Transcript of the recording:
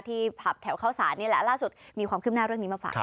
ผับแถวเข้าสารนี่แหละล่าสุดมีความคืบหน้าเรื่องนี้มาฝาก